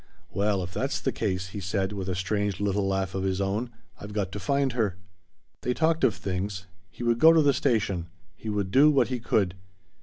"Well if that's the case," he said, with a strange little laugh of his own, "I've got to find her." They talked of things. He would go to the station. He would do what he could.